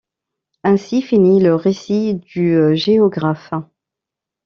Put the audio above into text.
Ainsi finit le récit du géographe.